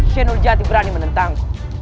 senurjati berani menentangku